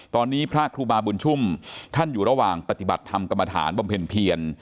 ตอนนี้พระครูบาบุญชุ่มท่านอยู่ระหว่างปฏิบัติธรรมกรรมฐานบำเพ็ญเพียร